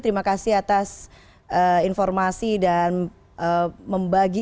terima kasih atas informasi dan membagi